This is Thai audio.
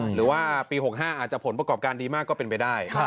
หรือว่าปี๖๕อาจจะผลประกอบการดีมากก็เป็นไปได้